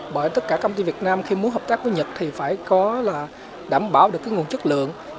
bởi tất cả công ty việt nam khi muốn hợp tác với nhật thì phải có là đảm bảo được cái nguồn chất lượng